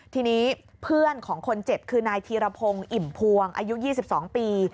ทีนี้เพื่อนของคนเจ็บคือนายธีรพงศ์อิ่มพวงอายุ๒๒ปี